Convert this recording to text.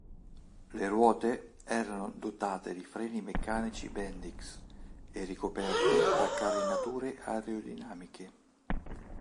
Le ruote erano dotate di freni meccanici Bendix, e ricoperte da carenature aerodinamiche.